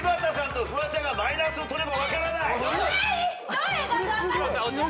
どういうこと？